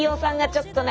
ちょっとね。